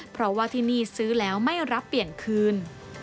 เพราะว่าที่นี่ซื้อแล้วไม่รับเปลี่ยนคืน